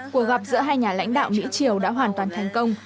cuộc gặp giữa hai nhà lãnh đạo mỹ triều đã hoàn toàn thành công